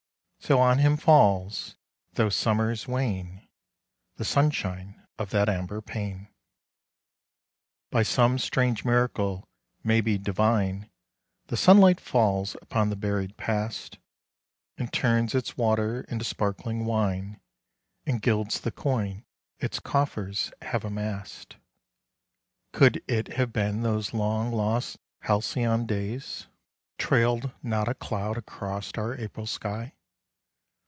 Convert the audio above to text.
So on him falls, though summers wane, The sunshine of that amber pane. By some strange miracle, maybe divine, The sunlight falls upon the buried past And turns its water into sparkling wine, And gilds the coin its coffers have amassed. Could it have been those long lost halcyon days Trailed not a cloud across our April sky?